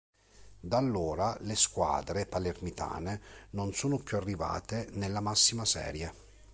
Da allora, le squadre palermitane non sono più arrivate nella massima serie.